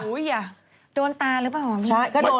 โอ๊ยโดนตาหรือเปล่า